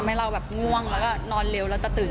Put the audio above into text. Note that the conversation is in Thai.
ออกงานอีเวนท์ครั้งแรกไปรับรางวัลเกี่ยวกับลูกทุ่ง